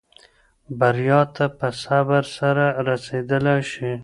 بریا ته په صبر سره رسېدلای شې.